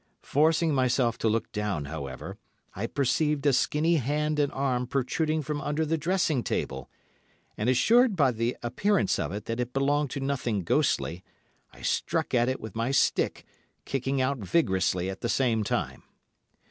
Forcing myself to look down, however, I perceived a skinny hand and arm protruding from under the dressing table, and assured by the appearance of it that it belonged to nothing ghostly, I struck at it with my stick, kicking out vigorously at the same time.